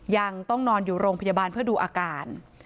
ยังต้องนอนอยู่โรงพยาบาลเพื่อดูอาการ